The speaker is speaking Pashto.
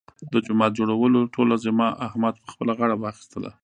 د جومات جوړولو ټوله ذمه احمد په خپله غاړه واخیستله.